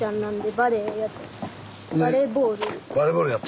バレーボールやってんの。